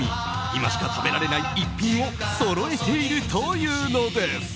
今しか食べられない逸品をそろえているというのです。